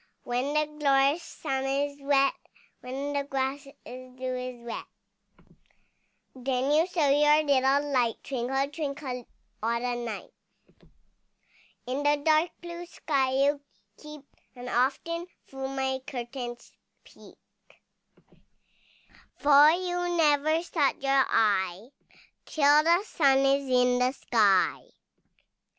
When the glorious sun is set, When the grass with dew is wet, Then you show your little light, Twinkle, twinkle all the night. In the dark blue sky you keep, And often through my curtains peep, For you never shut your eye, Till the sun is in the sky.